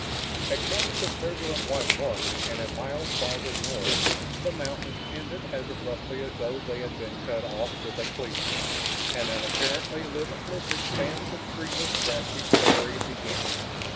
Across the turbulent Whitewater and a mile farther north, the mountains ended as abruptly as though they had been cut off with a cleaver and an apparently limitless expanse of treeless, grassy prairie began.